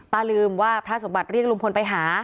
ลืมว่าพระสมบัติเรียกลุงพลไปหา